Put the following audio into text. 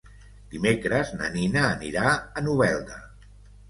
Dimecres na Nina anirà a Novelda.